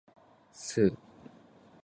スー